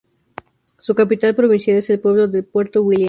Su capital provincial es el pueblo de Puerto Williams.